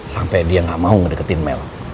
sampai dia gak mau ngedeketin mel